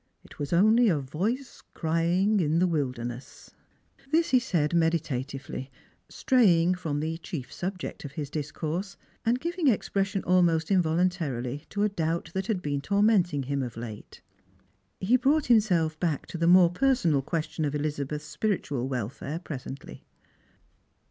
It was only r. voice crying in the city wilderness." This he said meditatively, straying from the chief subject of his discourse, and giving expression almost involuntarily to u doujii' that had been tormenting him of late. He broutrht him 70 Strangers and Pilgrims. self back to the more personal question of Elizabeth's spiritual welfare presently.